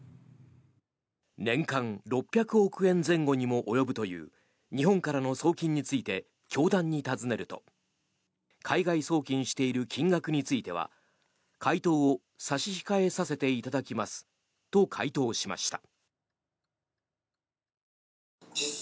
年間６００億円前後にも及ぶという日本からの送金について教団に尋ねると海外送金している金額については回答を差し控えさせていただきますと回答しました。